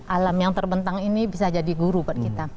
alam yang terbentang ini bisa jadi guru buat kita